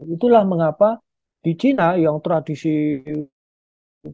itulah mengapa di china yang tradisi feodalisme